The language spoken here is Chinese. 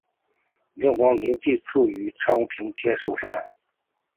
明皇陵地处昌平天寿山。